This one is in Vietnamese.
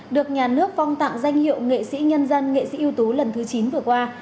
được nhà nước phong tặng danh hiệu nghệ sĩ nhân dân nghệ sĩ ưu tú lần thứ chín vừa qua